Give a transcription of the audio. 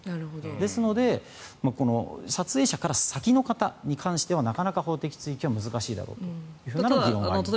ですので撮影者から先の方に関してはなかなか法的追及は難しいという議論があります。